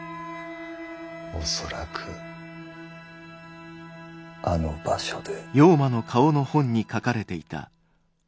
恐らくあの「場所」で。